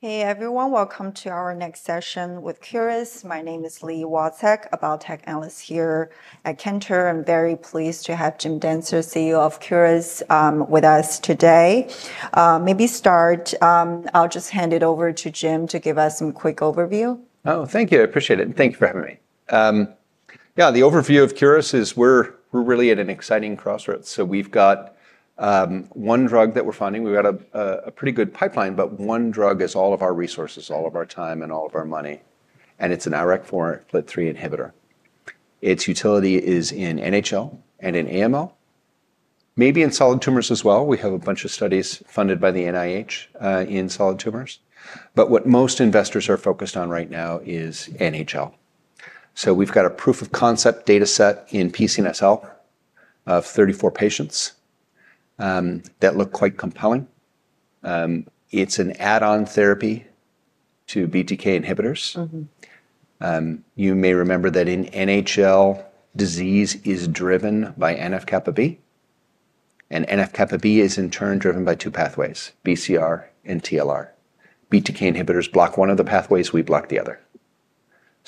Hey, everyone. Welcome to our next session with Curis. My name is Lee Walthek, a Biotech Analyst here at Kenter. I'm very pleased to have Jim Dentzer, CEO of Curis, with us today. Maybe start. I'll just hand it over to Jim to give us some quick overview. Thank you. I appreciate it. Thank you for having me. The overview of Curis is we're really at an exciting crossroads. We've got one drug that we're finding. We've got a pretty good pipeline, but one drug is all of our resources, all of our time, and all of our money. It's an IRAK4 and FLT3 inhibitor. Its utility is in NHL and in AML, maybe in solid tumors as well. We have a bunch of studies funded by the NIH in solid tumors. What most investors are focused on right now is NHL. We've got a proof of concept data set in PCNSL of 34 patients that look quite compelling. It's an add-on therapy to BTK inhibitors. You may remember that in NHL, disease is driven by NF-kappa B. NF-kappa B is in turn driven by two pathways, BCR and TLR. BTK inhibitors block one of the pathways, we block the other.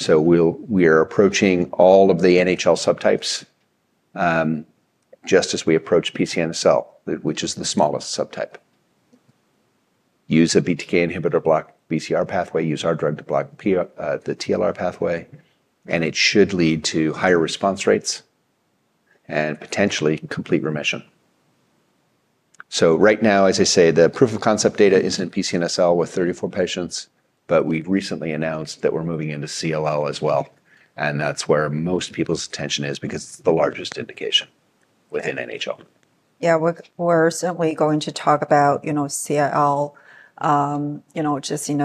We are approaching all of the NHL subtypes just as we approach PCNSL, which is the smallest subtype. Use a BTK inhibitor to block the BCR pathway, use our drug to block the TLR pathway, and it should lead to higher response rates and potentially complete remission. Right now, as I say, the proof of concept data is in PCNSL with 34 patients, but we've recently announced that we're moving into CLL as well. That's where most people's attention is because it's the largest indication within NHL. Yeah, we're certainly going to talk about CLL just in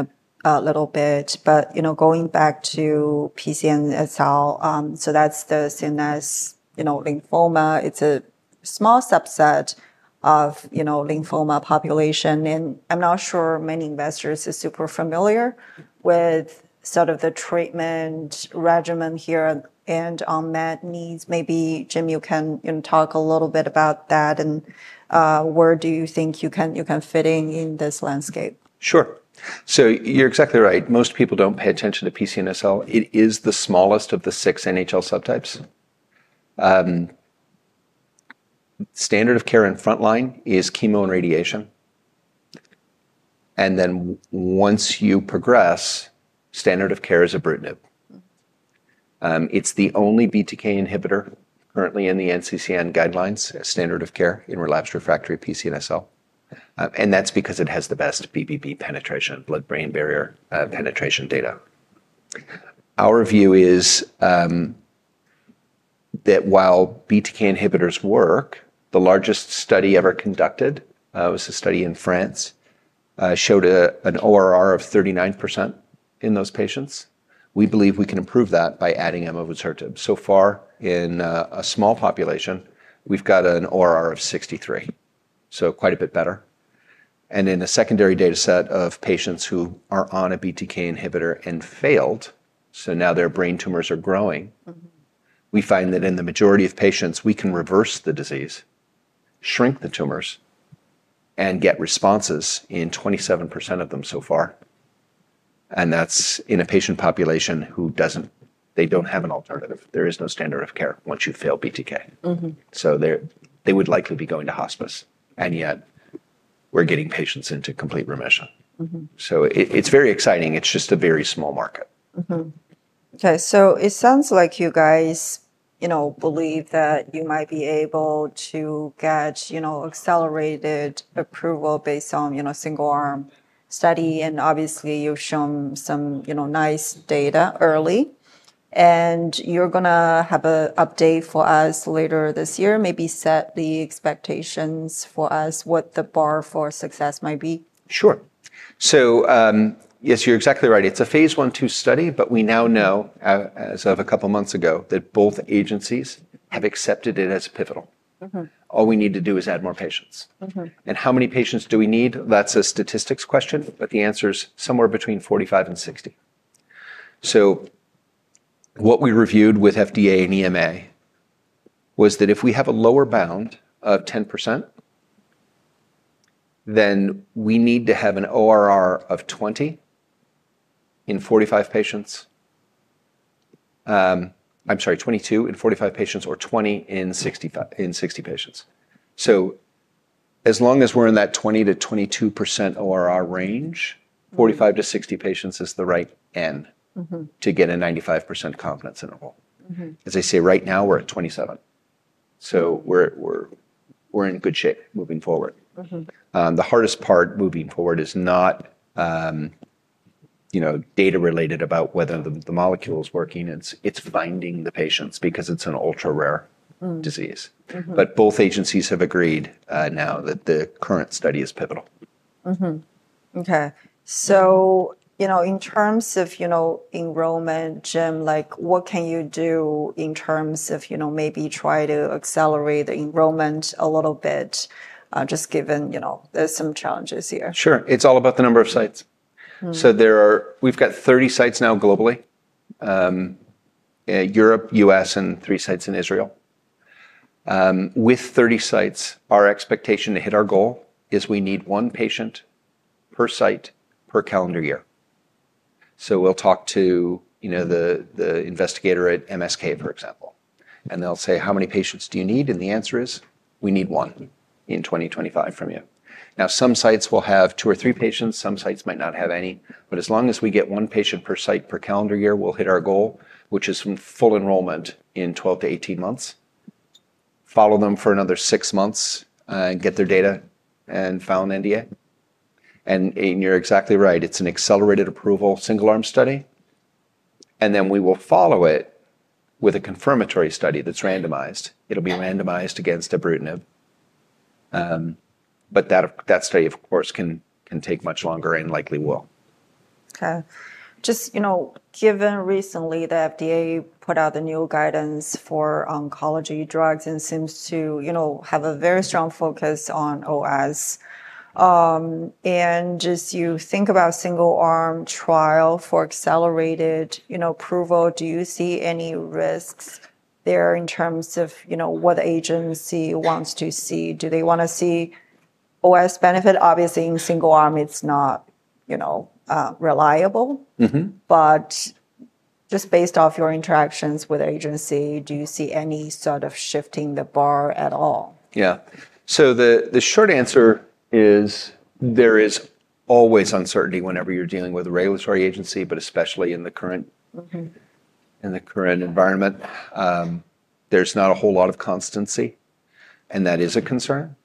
a little bit. Going back to PCNSL, that's the CNS lymphoma. It's a small subset of the lymphoma population. I'm not sure many investors are super familiar with the treatment regimen here at the end. On that need, maybe, Jim, you can talk a little bit about that. Where do you think you can fit in in this landscape? Sure. You're exactly right. Most people don't pay attention to PCNSL. It is the smallest of the six NHL subtypes. Standard of care in frontline is chemo and radiation. Once you progress, standard of care is ibrutinib. It's the only BTK inhibitor currently in the NCCN guidelines as standard of care in relapsed refractory PCNSL. That's because it has the best BBB penetration, blood-brain barrier penetration data. Our view is that while BTK inhibitors work, the largest study ever conducted, a study in France, showed an ORR of 39% in those patients. We believe we can improve that by adding immunosuppressants. So far, in a small population, we've got an ORR of 63%, so quite a bit better. In a secondary data set of patients who are on a BTK inhibitor and failed, so now their brain tumors are growing, we find that in the majority of patients, we can reverse the disease, shrink the tumors, and get responses in 27% of them so far. That's in a patient population who doesn't have an alternative. There is no standard of care once you've failed BTK. They would likely be going to hospice. Yet, we're getting patients into complete remission. It's very exciting. It's just a very small market. Okay. It sounds like you guys believe that you might be able to get accelerated approval based on single-arm study. Obviously, you've shown some nice data early, and you're going to have an update for us later this year. Maybe set the expectations for us what the bar for success might be? Sure. Yes, you're exactly right. It's a phase I II study, but we now know, as of a couple of months ago, that both agencies have accepted it as pivotal. All we need to do is add more patients. How many patients do we need? That's a statistics question, but the answer is somewhere between 45 and 60. What we reviewed with the FDA and EMA was that if we have a lower bound of 10%, then we need to have an ORR of 22 in 45 patients or 20 in 60 patients. As long as we're in that 20% - 22% ORR range, 45 t- 60 patients is the right end to get a 95% confidence interval. Right now, we're at 27, so we're in good shape moving forward. The hardest part moving forward is not data related about whether the molecule is working. It's finding the patients because it's an ultra-rare disease. Both agencies have agreed now that the current study is pivotal. In terms of enrollment, Jim, what can you do in terms of maybe try to accelerate the enrollment a little bit, just given there are some challenges here? It's all about the number of sites. We've got 30 sites now globally in Europe, the U.S., and three sites in Israel. With 30 sites, our expectation to hit our goal is we need one patient per site per calendar year. We'll talk to the investigator at MSK, for example, and they'll say, how many patients do you need? The answer is, we need one in 2025 from you. Some sites will have two or three patients. Some sites might not have any. But as long as we get one patient per site per calendar year, we'll hit our goal, which is full enrollment in 12- 18 months. Follow them for another six months, get their data, and file an NDA. You're exactly right. It's an accelerated approval single-arm study. And then we will follow it with a confirmatory study that's randomized. It'll be randomized against ibrutinib. That study, of course, can take much longer and likely will. Okay. Just given recently, the FDA put out the new guidance for oncology drugs and seems to have a very strong focus on OS. Just you think about a single-arm trial for accelerated approval, do you see any risks there in terms of what the agency wants to see? Do they want to see OS benefit? Obviously, in single-arm, it's not reliable. Just based off your interactions with the agency, do you see any sort of shifting the bar at all? Yeah. The short answer is there is always uncertainty whenever you're dealing with a regulatory agency, especially in the current environment. There's not a whole lot of constancy, and that is a concern.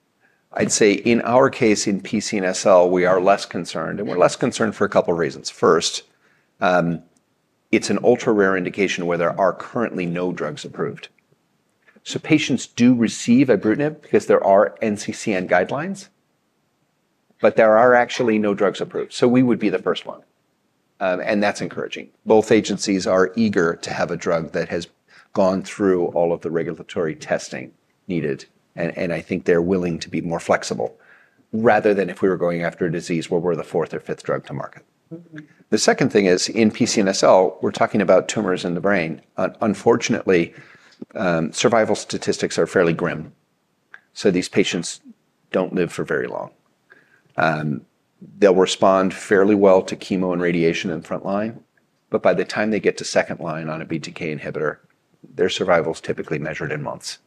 I'd say in our case, in PCNSL, we are less concerned for a couple of reasons. First, it's an ultra-rare indication where there are currently no drugs approved. Patients do receive ibrutinib because there are NCCN guidelines, but there are actually no drugs approved. We would be the first one, and that's encouraging. Both agencies are eager to have a drug that has gone through all of the regulatory testing needed. I think they're willing to be more flexible rather than if we were going after a disease where we're the fourth or fifth drug to market. The second thing is, in PCNSL, we're talking about tumors in the brain. Unfortunately, survival statistics are fairly grim. These patients don't live for very long. They'll respond fairly well to chemo and radiation in frontline, but by the time they get to second line on a BTK inhibitor, their survival is typically measured in months.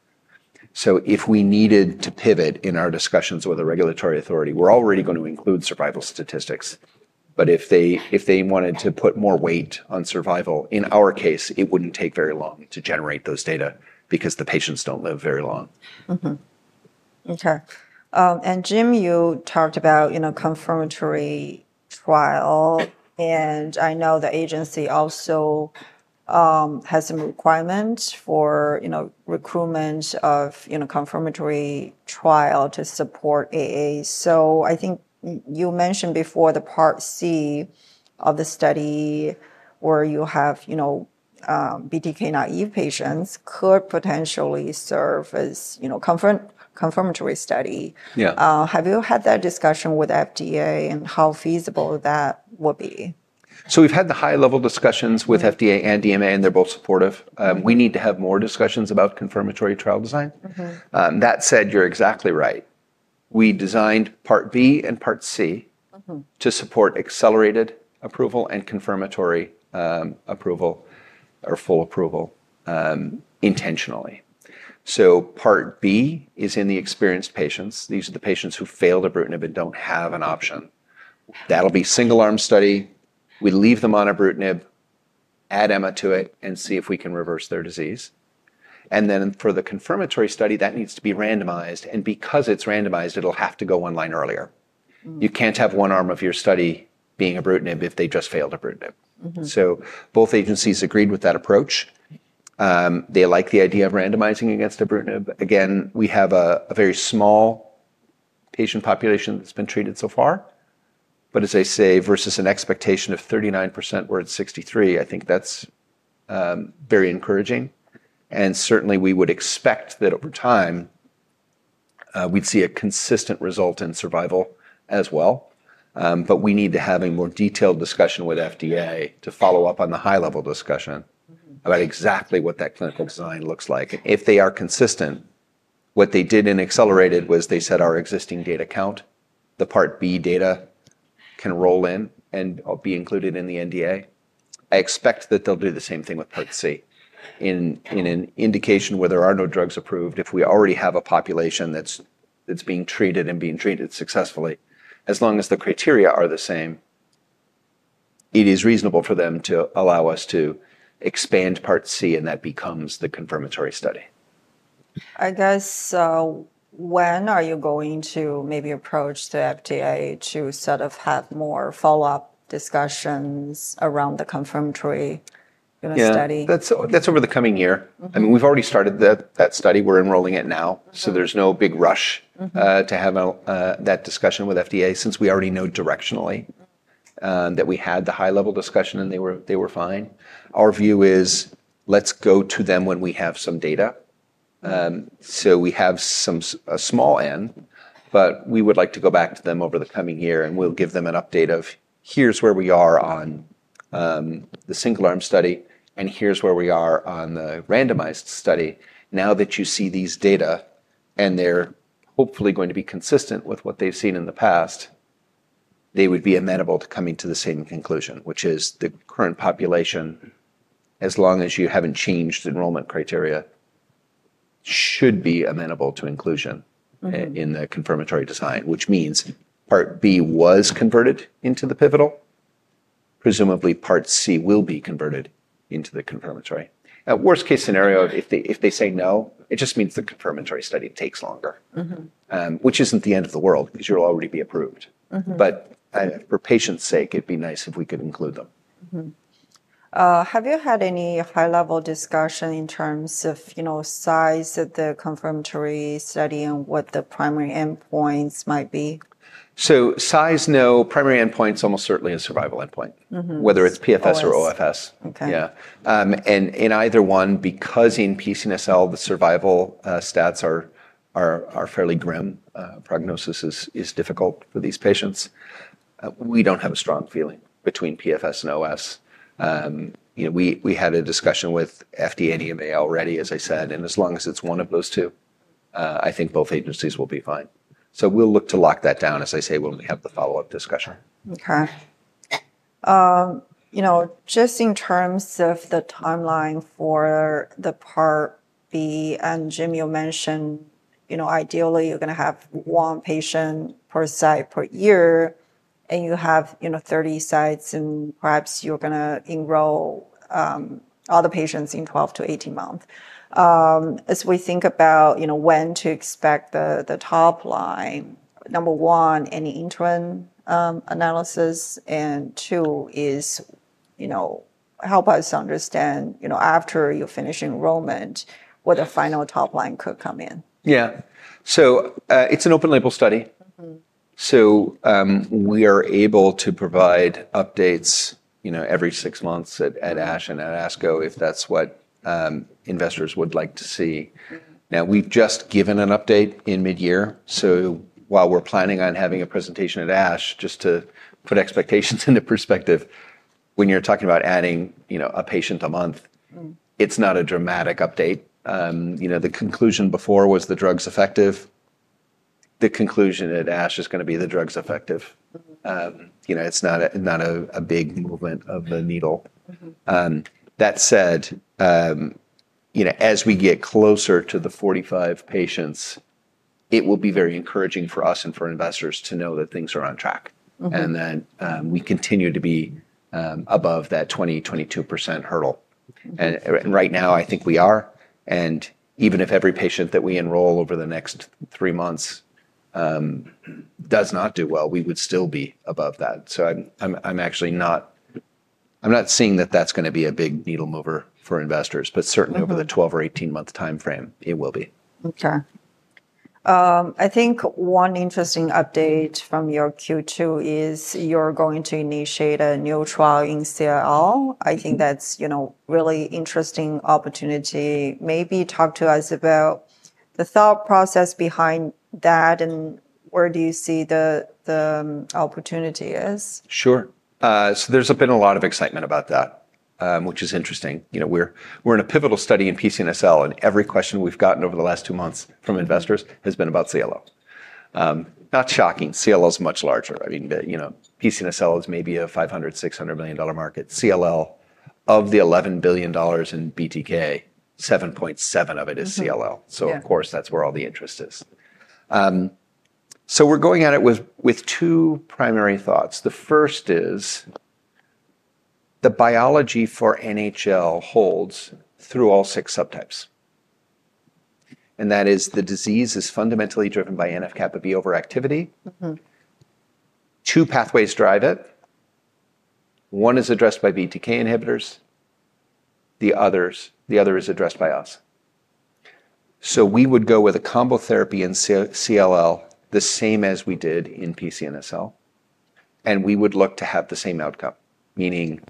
If we needed to pivot in our discussions with a regulatory authority, we're already going to include survival statistics. If they wanted to put more weight on survival, in our case, it wouldn't take very long to generate those data because the patients don't live very long. Okay. Jim, you talked about a confirmatory trial. I know the agency also has some requirements for recruitment of a confirmatory trial to support AA. I think you mentioned before the part C of the study where you have BTK naive patients could potentially serve as a confirmatory study. Yeah. Have you had that discussion with the FDA and how feasible that would be? We've had the high-level discussions with the FDA and EMA, and they're both supportive. We need to have more discussions about confirmatory trial design. That said, you're exactly right. We designed part B and part C to support accelerated approval and confirmatory approval or full approval intentionally. Part B is in the experienced patients. These are the patients who failed ibrutinib and don't have an option. That'll be a single-arm study. We leave them on ibrutinib, add emavusertib to it, and see if we can reverse their disease. For the confirmatory study, that needs to be randomized. Because it's randomized, it'll have to go one line earlier. You can't have one arm of your study being ibrutinib if they just failed ibrutinib. Both agencies agreed with that approach. They like the idea of randomizing against ibrutinib. We have a very small patient population that's been treated so far. As I say, versus an expectation of 39%, we're at 63%. I think that's very encouraging. Certainly, we would expect that over time, we'd see a consistent result in survival as well. We need to have a more detailed discussion with the FDA to follow up on the high-level discussion about exactly what that clinical design looks like. If they are consistent, what they did in accelerated was they said our existing data count, the part B data can roll in and be included in the NDA. I expect that they'll do the same thing with part C. In an indication where there are no drugs approved, if we already have a population that's being treated and being treated successfully, as long as the criteria are the same, it is reasonable for them to allow us to expand part C, and that becomes the confirmatory study. When are you going to maybe approach the FDA to sort of have more follow-up discussions around the confirmatory study? Yeah, that's over the coming year. We've already started that study. We're enrolling it now. There's no big rush to have that discussion with the FDA since we already know directionally that we had the high-level discussion, and they were fine. Our view is let's go to them when we have some data. We have a small, but we would like to go back to them over the coming year. We'll give them an update of here's where we are on the single-arm study, and here's where we are on the randomized study. Now that you see these data, and they're hopefully going to be consistent with what they've seen in the past, they would be amenable to coming to the same conclusion, which is the current population, as long as you haven't changed enrollment criteria, should be amenable to inclusion in the confirmatory design, which means part B was converted into the pivotal. Presumably, part C will be converted into the confirmatory. Worst-case scenario, if they say no, it just means the confirmatory study takes longer, which isn't the end of the world because you'll already be approved. For patients' sake, it'd be nice if we could include them. Have you had any high-level discussion in terms of size of the confirmatory study and what the primary endpoints might be? Size, no. The primary endpoint is almost certainly a survival endpoint, whether it's PFS or OFS. In either one, because in PCNSL, the survival stats are fairly grim, prognosis is difficult for these patients, we don't have a strong feeling between PFS and OS. We had a discussion with the FDA and EMA already, as I said. As long as it's one of those two, I think both agencies will be fine. We'll look to lock that down, as I say, when we have the follow-up discussion. Okay. Just in terms of the timeline for the part B, and Jim, you mentioned, you know, ideally, you're going to have one patient per site per year. You have 30 sites, and perhaps you're going to enroll other patients in 12- 18 months. As we think about when to expect the top line, number one, any interim analysis, and two is help us understand after you finish enrollment, what the final top line could come in. Yeah. It's an open-label study, so we are able to provide updates every six months at ASH and at ASCO if that's what investors would like to see. We've just given an update in mid-year. While we're planning on having a presentation at ASH, just to put expectations into perspective, when you're talking about adding a patient a month, it's not a dramatic update. The conclusion before was the drug's effective. The conclusion at ASH is going to be the drug's effective. It's not a big movement of the needle. That said, as we get closer to the 45 patients, it will be very encouraging for us and for investors to know that things are on track and that we continue to be above that 20%- 22% hurdle. Right now, I think we are. Even if every patient that we enroll over the next three months does not do well, we would still be above that. I'm actually not seeing that that's going to be a big needle mover for investors. Certainly, over the 12 - 18 months time frame, it will be. Okay. I think one interesting update from your Q2 is you're going to initiate a new trial in CLL. I think that's a really interesting opportunity. Maybe talk to us about the thought process behind that and where do you see the opportunity is? Sure. There's been a lot of excitement about that, which is interesting. We're in a pivotal study in PCNSL. Every question we've gotten over the last two months from investors has been about CLL. Not shocking. CLL is much larger. PCNSL is maybe a $500 million, $600 million market. CLL, of the $11 billion in BTK, 7.7% of it is CLL. That's where all the interest is. We're going at it with two primary thoughts. The first is the biology for NHL holds through all six subtypes, and that is the disease is fundamentally driven by NF-kappa B overactivity. Two pathways drive it. One is addressed by BTK inhibitors. The other is addressed by us. We would go with a combo therapy in CLL the same as we did in PCNSL, and we would look to have the same outcome, meaning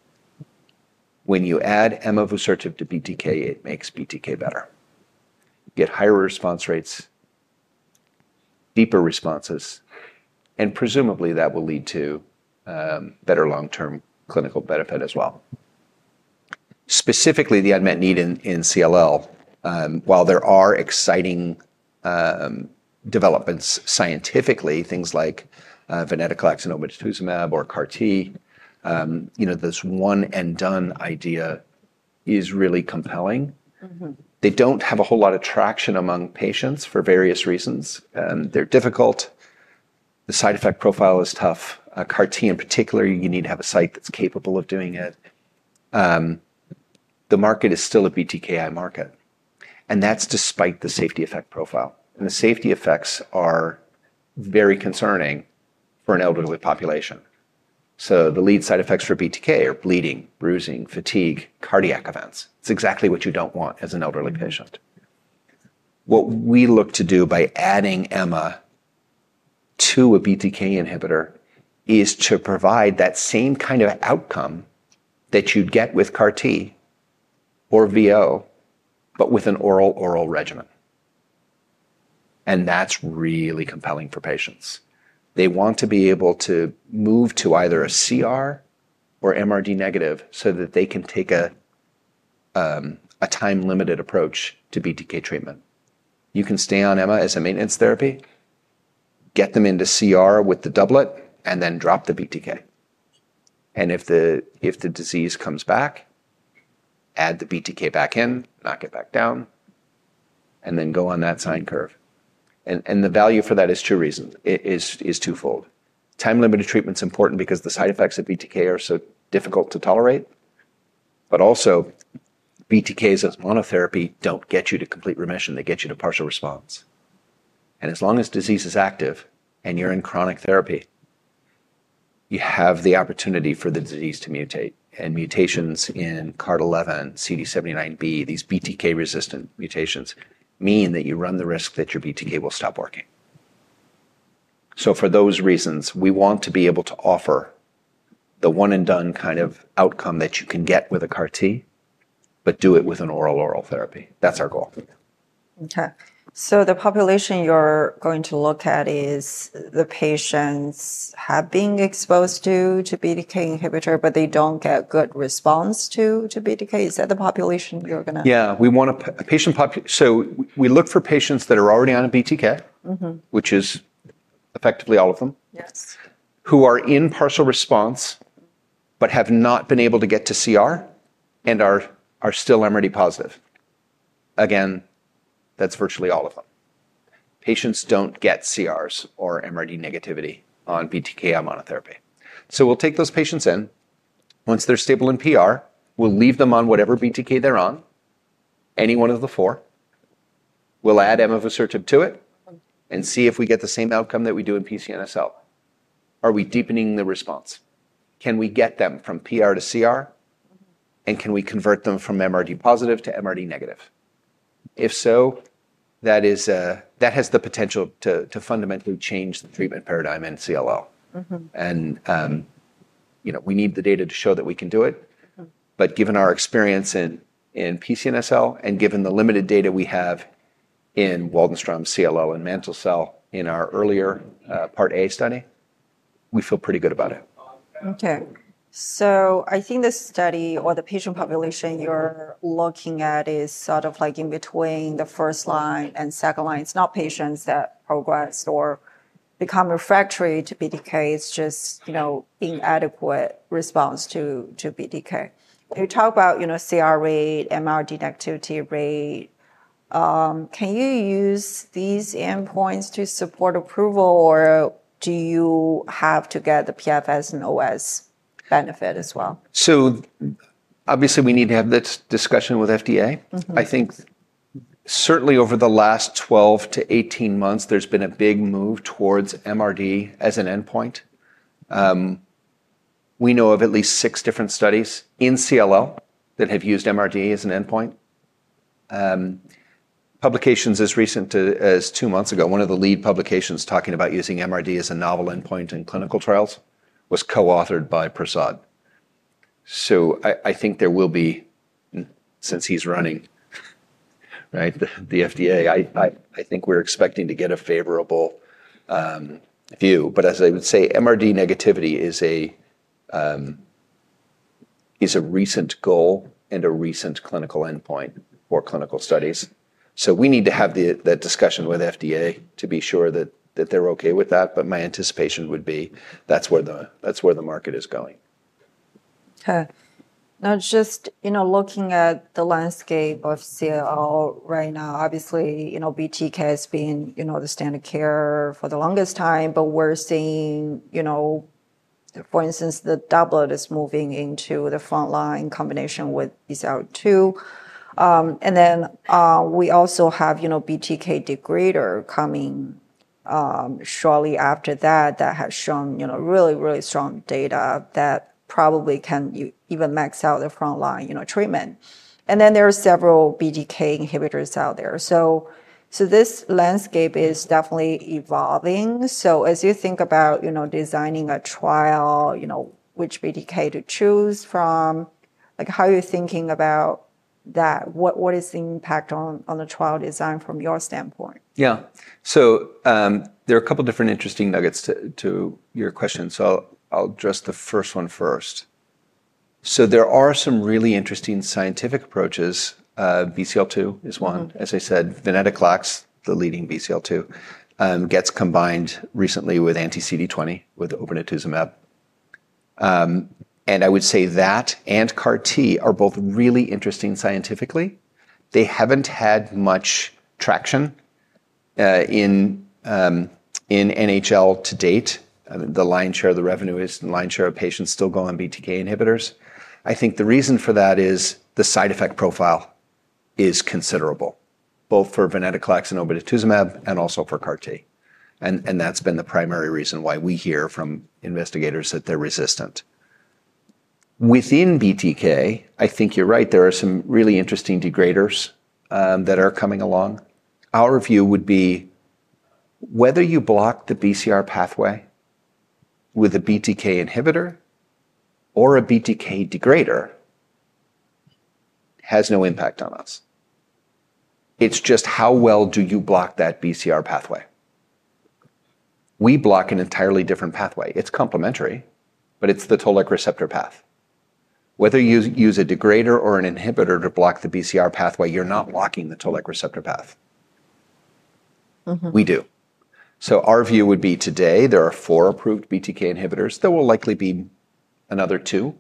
when you add immunosuppressant to BTK, it makes BTK better, get higher response rates, deeper responses, and presumably that will lead to better long-term clinical benefit as well. Specifically, the unmet need in CLL, while there are exciting developments scientifically, things like venetoclax and obinutuzumab or CAR-T, this one-and-done idea is really compelling. They don't have a whole lot of traction among patients for various reasons. They're difficult. The side effect profile is tough. CAR-T, in particular, you need to have a site that's capable of doing it. The market is still a BTKi market, and that's despite the safety effect profile. The safety effects are very concerning for an elderly population. The lead side effects for BTK are bleeding, bruising, fatigue, cardiac events. It's exactly what you don't want as an elderly patient. What we look to do by adding EMA to a BTK inhibitor is to provide that same kind of outcome that you get with CAR-T or VO, but with an oral-oral regimen. That's really compelling for patients. They want to be able to move to either a CR or MRD negative so that they can take a time-limited approach to BTK treatment. You can stay on EMA as a maintenance therapy, get them into CR with the doublet, and then drop the BTK. If the disease comes back, add the BTK back in, knock it back down, and then go on that sign curve. The value for that is two reasons. It is twofold. Time-limited treatment is important because the side effects of BTK are so difficult to tolerate, but also, BTKs as monotherapy don't get you to complete remission. They get you to partial response. As long as disease is active and you're in chronic therapy, you have the opportunity for the disease to mutate. Mutations in CARD11, CD79B, these BTK-resistant mutations mean that you run the risk that your BTK will stop working. For those reasons, we want to be able to offer the one-and-done kind of outcome that you can get with a CAR-T, but do it with an oral-oral therapy. That's our goal. Okay. The population you're going to look at is the patients who have been exposed to BTK inhibitors, but they don't get good response to BTK. Is that the population you're going to? Yeah. We look for patients that are already on a BTK, which is effectively all of them, who are in partial response but have not been able to get to CR and are still MRD positive. That's virtually all of them. Patients don't get CRs or MRD negativity on BTK inhibitor monotherapy. We'll take those patients in. Once they're stable in PR, we'll leave them on whatever BTK they're on, any one of the four. We'll add immunosuppressant to it and see if we get the same outcome that we do in PCNSL. Are we deepening the response? Can we get them from PR to CR? Can we convert them from MRD positive to MRD negative? If so, that has the potential to fundamentally change the treatment paradigm in CLL. We need the data to show that we can do it. Given our experience in PCNSL and given the limited data we have in Waldenstrom, CLL, and mantle cell in our earlier part A study, we feel pretty good about it. I think the study or the patient population you're looking at is sort of like in between the first line and second line. It's not patients that progress or become refractory to BTK. It's just inadequate response to BTK. You talk about CR rate, MRD negativity rate. Can you use these endpoints to support approval, or do you have to get the PFS and OS benefit as well? Obviously, we need to have this discussion with the FDA. I think certainly over the last 12- 18 months, there's been a big move towards MRD as an endpoint. We know of at least six different studies in CLL that have used MRD as an endpoint. Publications as recent as two months ago, one of the lead publications talking about using MRD as a novel endpoint in clinical trials was co-authored by Prasad. I think there will be, since he's running the FDA, I think we're expecting to get a favorable view. As I would say, MRD negativity is a recent goal and a recent clinical endpoint for clinical studies. We need to have that discussion with the FDA to be sure that they're okay with that. My anticipation would be that's where the market is going. Okay. Now, just looking at the landscape of CLL right now, obviously, BTK has been the standard of care for the longest time. We're seeing, for instance, the doublet is moving into the front line in combination with BCL2. We also have BTK degrader coming shortly after that that has shown really, really strong data that probably can even max out the front line treatment. There are several BTK inhibitors out there. This landscape is definitely evolving. As you think about designing a trial, which BTK to choose from, how are you thinking about that? What is the impact on the trial design from your standpoint? Yeah. There are a couple of different interesting nuggets to your question. I'll address the first one first. There are some really interesting scientific approaches. BCL2 is one. As I said, venetoclax, the leading BCL2, gets combined recently with anti-CD20 with ibrutinib. I would say that and CAR-T are both really interesting scientifically. They haven't had much traction in NHL to date. The lion's share of the revenue is the lion's share of patients still go on BTK inhibitors. I think the reason for that is the side effect profile is considerable, both for venetoclax and ibrutinib and also for CAR-T. That's been the primary reason why we hear from investigators that they're resistant. Within BTK, I think you're right. There are some really interesting degraders that are coming along. Our view would be whether you block the BCR pathway with a BTK inhibitor or a BTK degrader has no impact on us. It's just how well do you block that BCR pathway. We block an entirely different pathway. It's complementary, but it's the toll-like receptor path. Whether you use a degrader or an inhibitor to block the BCR pathway, you're not blocking the toll-like receptor path. We do. Our view would be today, there are four approved BTK inhibitors. There will likely be another two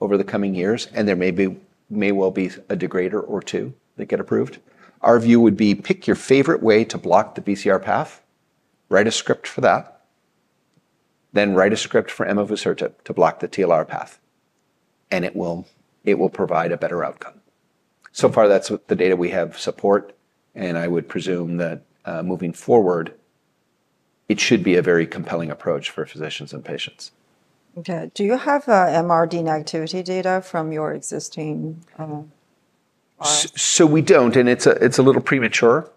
over the coming years. There may well be a degrader or two that get approved. Our view would be pick your favorite way to block the BCR path, write a script for that, then write a script for immunosuppressant to block the TLR path. It will provide a better outcome. So far, that's what the data we have support. I would presume that moving forward, it should be a very compelling approach for physicians and patients. Okay. Do you have MRD negativity data from your existing? We don't. It's a little premature.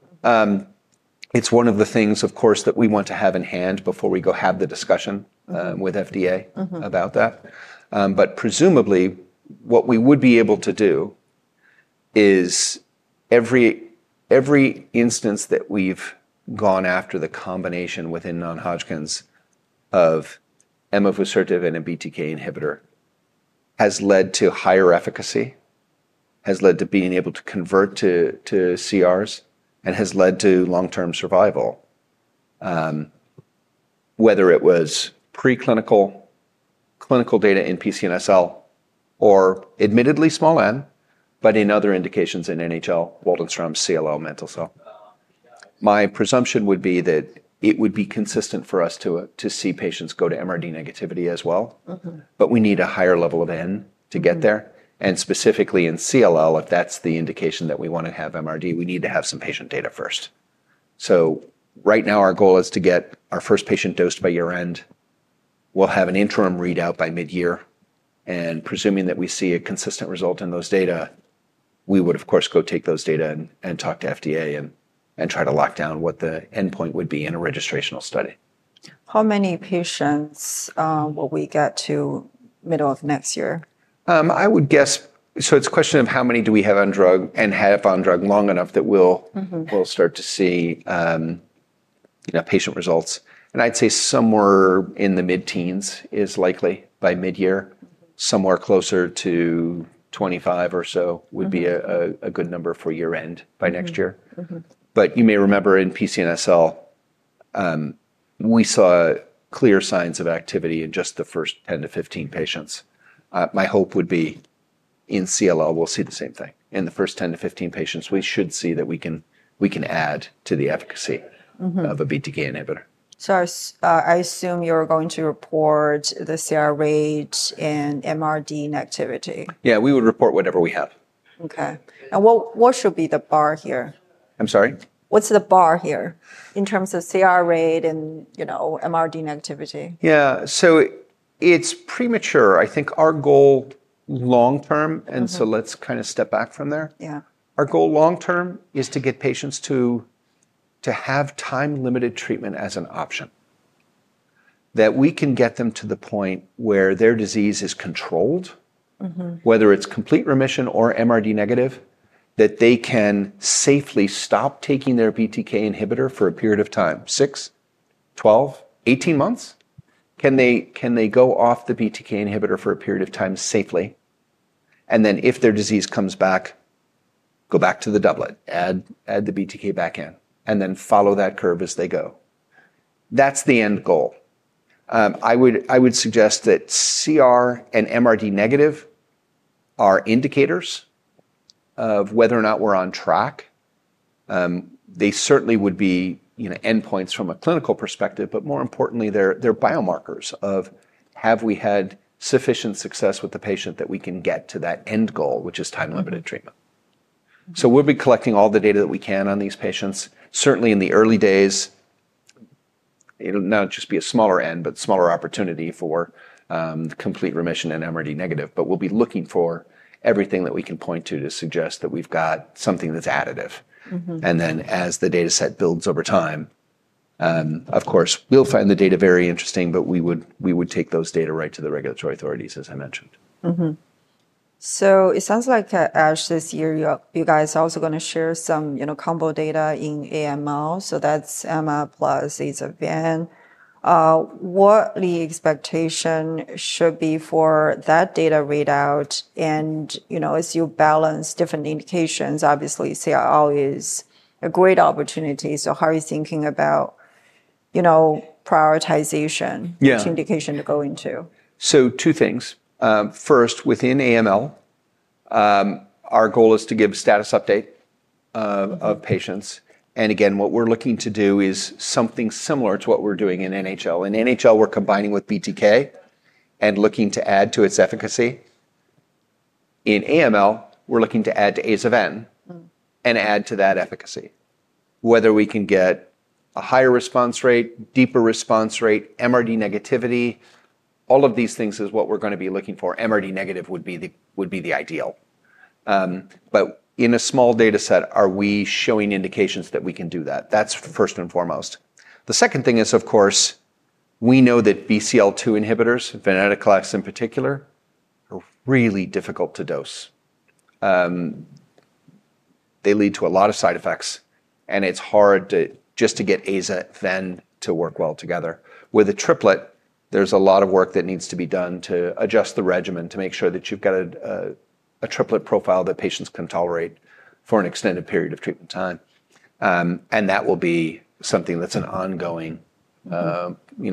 It's one of the things, of course, that we want to have in hand before we go have the discussion with the FDA about that. Presumably, what we would be able to do is every instance that we've gone after the combination within non-Hodgkins of immunosuppressant and a BTK inhibitor has led to higher efficacy, has led to being able to convert to CR s, and has led to long-term survival, whether it was preclinical, clinical data in PCNSL, or admittedly small N, but in other indications in NHL, Waldenstrom, CLL, and mantle cell. My presumption would be that it would be consistent for us to see patients go to MRD negativity as well. We need a higher level of N to get there. Specifically in CLL, if that's the indication that we want to have MRD, we need to have some patient data first. Right now, our goal is to get our first patient dosed by year-end. We'll have an interim readout by mid-year. Presuming that we see a consistent result in those data, we would, of course, go take those data and talk to the FDA and try to lock down what the endpoint would be in a registrational study. How many patients will we get to the middle of next year? I would guess it's a question of how many do we have on drug and have on drug long enough that we'll start to see patient results. I'd say somewhere in the mid-teens is likely by mid-year. Somewhere closer to 25 or so would be a good number for year-end by next year. You may remember in PCNSL, we saw clear signs of activity in just the first 10- 15 patients. My hope would be in CLL, we'll see the same thing. In the first 10- 15 patients, we should see that we can add to the efficacy of a BTK inhibitor. I assume you're going to report the CR rate and MRD negativity. Yeah, we would report whatever we have. What should be the bar here? I'm sorry? What's the bar here in terms of CR rate and MRD negativity? It's premature. I think our goal long term, and let's kind of step back from there. Yeah. Our goal long term is to get patients to have time-limited treatment as an option, that we can get them to the point where their disease is controlled, whether it's complete remission or MRD negative, that they can safely stop taking their BTK inhibitor for a period of time, 6, 12, 18 months. Can they go off the BTK inhibitor for a period of time safely? If their disease comes back, go back to the doublet, add the BTK back in, and then follow that curve as they go. That's the end goal. I would suggest that CR and MRD negative are indicators of whether or not we're on track. They certainly would be endpoints from a clinical perspective. But more importantly, they're biomarkers of have we had sufficient success with the patient that we can get to that end goal, which is time-limited treatment. We'll be collecting all the data that we can on these patients. Certainly, in the early days, it'll not just be a smaller N, but smaller opportunity for complete remission and MRD negative. We'll be looking for everything that we can point to to suggest that we've got something that's additive. As the data set builds over time, of course, we'll find the data very interesting. We would take those data right to the regulatory authorities, as I mentioned. It sounds like ASH this year, you guys are also going to share some combo data in AML. That's AML plus azacitidine. What the expectation should be for that data readout, and as you balance different indications, obviously, CLL is a great opportunity. How are you thinking about prioritization? Which indication to go into? First, within AML, our goal is to give a status update of patients. What we're looking to do is something similar to what we're doing in NHL. In NHL, we're combining with BTK and looking to add to its efficacy. In AML, we're looking to add to azacitidine and add to that efficacy, whether we can get a higher response rate, deeper response rate, MRD negativity. All of these things are what we're going to be looking for. MRD negative would be the ideal. In a small data set, are we showing indications that we can do that? That's first and foremost. The second thing is, of course, we know that BCL2 inhibitors, venetoclax in particular, are really difficult to dose. They lead to a lot of side effects. It's hard just to get azacitidine to work well together. With a triplet, there's a lot of work that needs to be done to adjust the regimen to make sure that you've got a triplet profile that patients can tolerate for an extended period of treatment time. That will be something that's an ongoing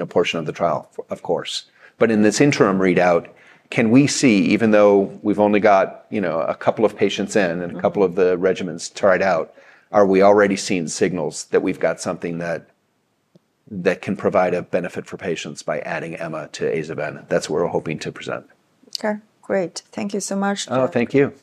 portion of the trial, of course. In this interim readout, can we see, even though we've only got a couple of patients in and a couple of the regimens tried out, are we already seeing signals that we've got something that can provide a benefit for patients by adding emavusertib to azacitidine? That's what we're hoping to present. Okay, great. Thank you so much. Oh, thank you.